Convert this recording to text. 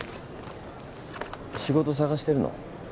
仕事探してるの？